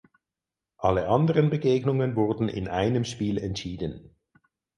Alle anderen Begegnungen wurden in einem Spiel entschieden.